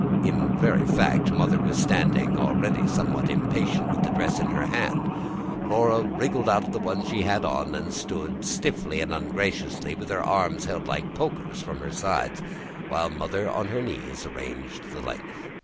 In very fact Mother was standing, already somewhat impatient, with the dress in her hand. Laura wriggled out of the one she had on, and stood stiffly and ungraciously, with her arms held like pokers from her sides, while Mother on her knees arranged the length.